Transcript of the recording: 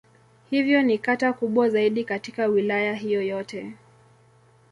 Hivyo ni kata kubwa zaidi katika Wilaya hiyo yote.